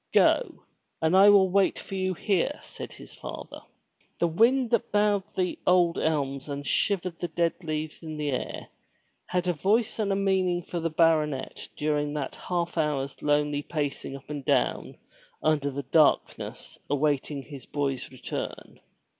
"Go, and I will wait for you here," said his father. The wind that bowed the old elms and shivered the dead leaves in the air, had a voice and a meaning for the baronet during that half hour's lonely pacing up and down under the darkness awaiting his boy's return.